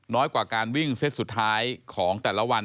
กว่าการวิ่งเซตสุดท้ายของแต่ละวัน